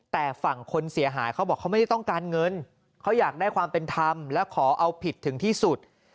แต่ฝั่งคนเสียหายเขาบอกเขาไม่ได้ต้องการเงินเขาอยากได้ความเป็นธรรมและขอเอาผิดถึงที่สุด